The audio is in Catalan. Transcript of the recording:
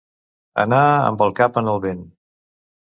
Anar amb el cap en el vent.